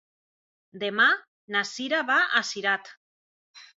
Demà na Cira va a Cirat.